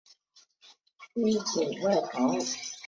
侬锦外逃。